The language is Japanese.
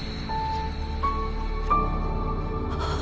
あっ！